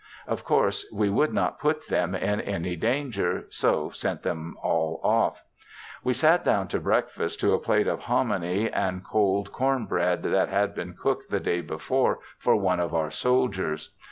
Of course we would not put them in any danger, so sent them all off. We sat down to breakfast to a plate of hominy and cold corn bread that had been cooked the day before for one of our soldiers.